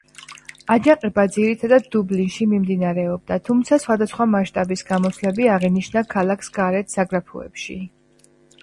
აჯანყება ძირითადად დუბლინში მიმდინარეობდა, თუმცა სხვადასხვა მასშტაბის გამოსვლები აღინიშნა ქალაქს გარეთ, საგრაფოებში.